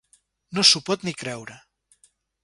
No s'ho pot ni creure.